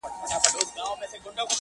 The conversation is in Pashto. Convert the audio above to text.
نن ستا کور و ته کوه طور دی د ژوند~